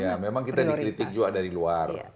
ya memang kita dikritik juga dari luar